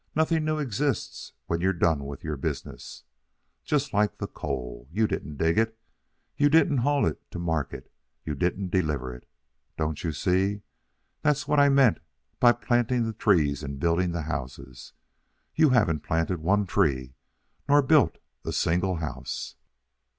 Nothing new exists when you're done with your business. Just like the coal. You didn't dig it. You didn't haul it to market. You didn't deliver it. Don't you see? that's what I meant by planting the trees and building the houses. You haven't planted one tree nor built a single house."